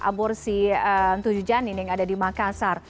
aborsi tujuh janin yang ada di makassar